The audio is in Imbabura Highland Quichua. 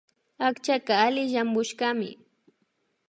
Akchaka alli llampushkami